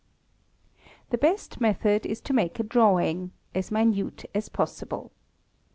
The best method is to make a drawing—as minute as_ possible.